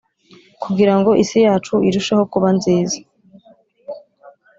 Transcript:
kugira ngo isi yacu irusheho kuba nziza